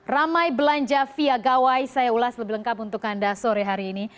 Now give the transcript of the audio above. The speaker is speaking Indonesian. ramai belanja via gawai saya ulas lebih lengkap untuk anda sore hari ini